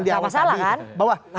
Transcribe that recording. di awal tadi bahwa